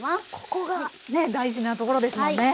ここがね大事なところですもんね。